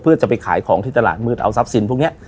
เพื่อจะไปขายของที่ตลาดมืดเอาทรัพย์สินพวกนี้